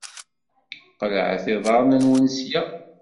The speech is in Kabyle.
Qelɛet iḍaṛṛen-nwen sya!